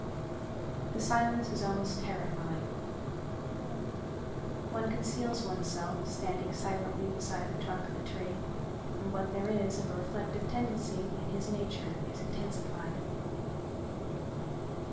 The silence is almost terrifying. One conceals oneself standing silently beside the trunk of a tree and what there is of a reflective tendency in his nature is intensified.